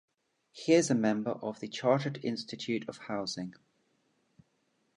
He is a member of the Chartered Institute of Housing.